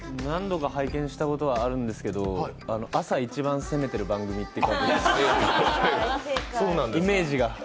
何度か拝見したことはあるんですけど、朝一番攻めてる番組ってことでイメージが。